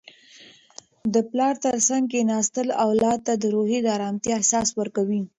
د پلار تر څنګ کښیناستل اولاد ته د روحي ارامتیا احساس ورکوي.